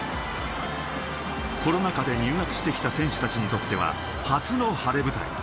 コロナ禍で入学してきた選手たちにとっては初の晴れ舞台。